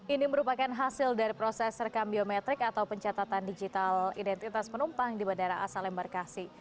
ini merupakan hasil dari proses rekam biometrik atau pencatatan digital identitas penumpang di bandara asal embarkasi